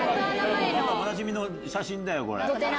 おなじみの写真だよこれ。